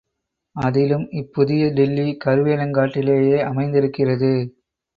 அதிலும் இப்புதிய டில்லி கருவேலங்காட்டிலேயே அமைந்திருக்கிறது.